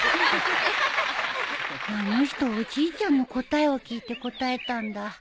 あの人おじいちゃんの答えを聞いて答えたんだ